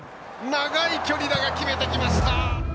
長い距離だが決めてきました！